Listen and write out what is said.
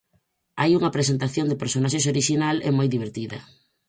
Hai unha presentación de personaxes orixinal e moi divertida.